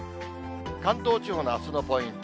関東地方のあすのポイント。